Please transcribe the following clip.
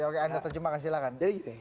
oke anda terjemahkan silahkan